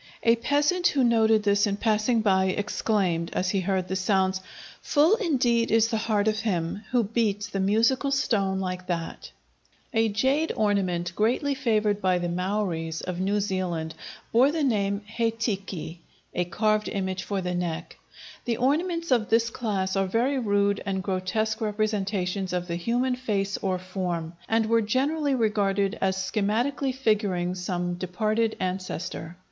A peasant who noted this in passing by, exclaimed, as he heard the sounds: "Full indeed is the heart of him who beats the musical stone like that!" A jade ornament greatly favored by the Maoris of New Zealand bore the name hei tiki ("a carved image for the neck"). The ornaments of this class are very rude and grotesque representations of the human face or form, and were generally regarded as schematically figuring some departed ancestor.